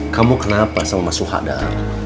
kamu kenapa sama mas suha dar